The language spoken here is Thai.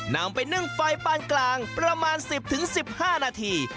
นำไปนึ่งไฟปานกลางประมาณ๑๐๑๕นาที